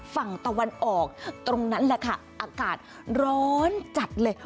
ฝั่งตะวันออกตรงนั้นแหละค่ะอากาศร้อนจัดเลย